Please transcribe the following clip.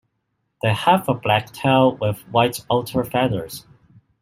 They have a black tail with white outer feathers.